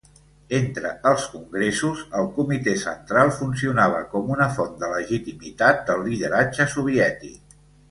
Entre els congressos, el Comitè Central funcionava com una font de legitimitat del lideratge soviètic.